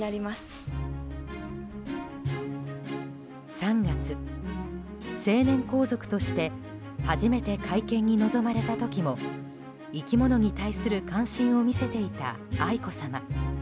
３月、成年皇族として初めて会見に臨まれた時も生き物に対する関心を見せていた愛子さま。